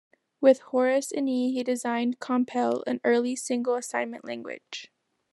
With Horace Enea, he designed Compel, an early single assignment language.